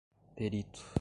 perito